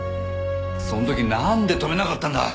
その時なんで止めなかったんだ！